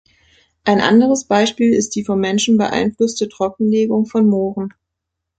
Ein anderes Beispiel ist die vom Menschen beeinflusste Trockenlegung von Mooren.